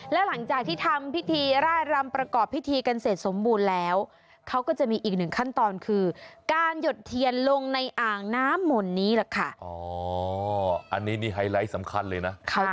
แล้วหลังจากที่ทำพิธีร่ายรำประกอบพิธีกันเสร็จสมบูรณ์แล้วเขาก็จะมีอีกหนึ่งขั้นตอนคือการหยดเทียนลงในอ่างน้ำมนต์นี้แหละค่ะ